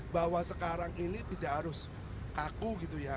bahwa sekarang ini tidak harus kaku gitu ya